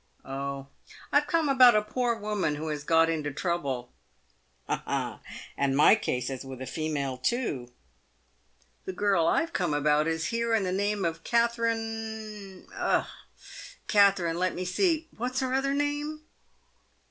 " Oh, I've come about a poor woman who has got into trouble." " Ha, ha ! and my case is with a female too." " The girl Tve come about is here in the name of Katherine Katherine — let me see — what's her other name